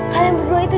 kalian berdua itu